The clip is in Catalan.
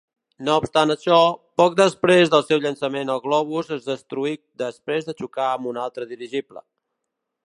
No obstant això, poc després del seu llançament el globus és destruït després de xocar amb un altre dirigible.